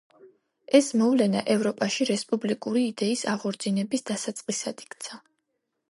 ეს მოვლენა ევროპაში რესპუბლიკური იდეის აღორძინების დასაწყისად იქცა.